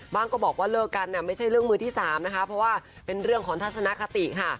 ก็บอกว่าเลิกกันไม่ใช่เรื่องมือที่สามนะคะเพราะว่าเป็นเรื่องของทัศนคติค่ะ